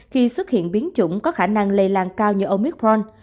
khi xuất hiện biến chủng có khả năng lây lan cao như omicron